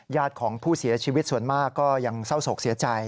ญาติของผู้เสียชีวิตส่วนมากก็ยังเศร้าโศกเสียใจ